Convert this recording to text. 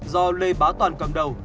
do lê bá toàn cầm đầu